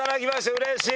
うれしい。